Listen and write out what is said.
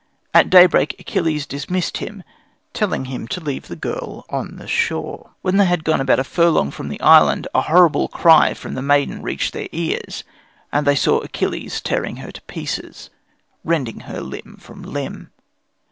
At daybreak Achilles dismissed him, telling him to leave the girl on the shore. When they had gone about a furlong from the island, a horrible cry from the maiden reached their ears, and they saw Achilles tearing her to pieces, rending her limb from limb.